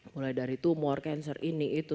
mulai dari tumor cancer ini itu